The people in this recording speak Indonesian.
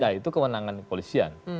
nah itu kewenangan polisian